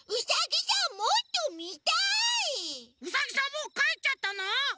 もうかえっちゃったの？